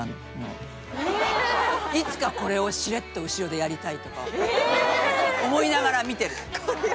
いつかこれをしれっと後ろでやりたいとか思いながら見てる。